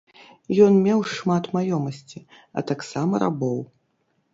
Ён меў шмат маёмасці, а таксама рабоў.